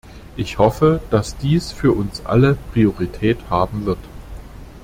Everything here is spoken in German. Ich hoffe, dass dies für uns alle Priorität haben wird.